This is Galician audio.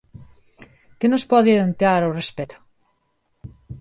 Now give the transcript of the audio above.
Que nos pode adiantar ao respecto?